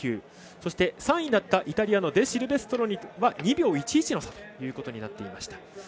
そして、３位だったイタリアのデシルベストロは２秒１１の差ということになっていました。